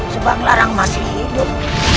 subang larang masih hidup